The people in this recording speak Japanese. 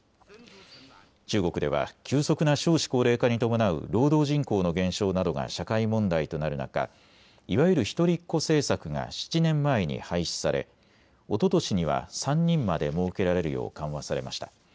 中国では急速な少子高齢化に伴う労働人口の減少などが社会問題となる中、いわゆる一人っ子政策が７年前に廃止されおととしには３人までもうけられるよう緩和されました。